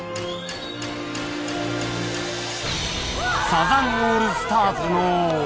サザンオールスターズの